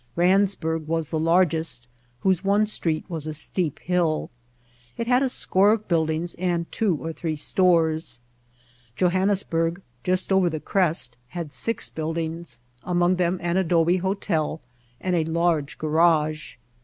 Randsburg was the largest, whose one street was a steep hill. It had a score of buildings and two or three stores. Johannesburg, just over the crest, had six build ings, among them an adobe hotel and a large garage.